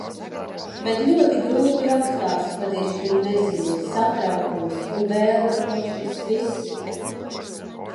Bet ļoti grūti rakstās, kad ir šī neziņa, satraukums un vēlme kaut šis viss...